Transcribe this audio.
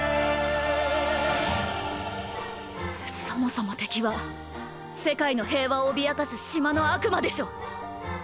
そもそも敵は世界の平和を脅かす島の悪魔でしょ？